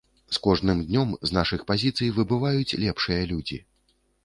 З кожным днём з нашых пазіцый выбываюць лепшыя людзі.